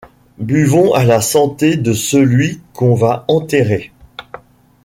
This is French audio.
Buvons à la santé de celui qu’on va enterrer.